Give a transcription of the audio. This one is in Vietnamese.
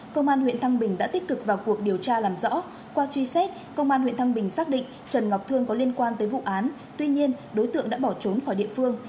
công an huyện thăng bình đã tích cực vào cuộc điều tra làm rõ qua truy xét công an huyện thăng bình xác định trần ngọc thương có liên quan tới vụ án tuy nhiên đối tượng đã bỏ trốn khỏi địa phương